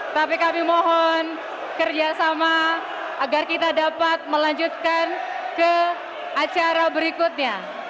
tapi kami mohon kerjasama agar kita dapat melanjutkan ke acara berikutnya